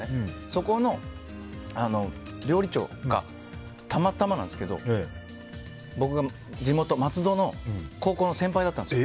そこの料理長がたまたまなんですけど僕の地元の松戸の高校の先輩だったんです。